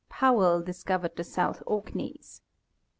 Powell discovered the South Ork neys.